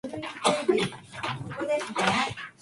真面目な状況